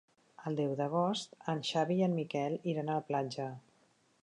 El deu d'agost en Xavi i en Miquel iran a la platja.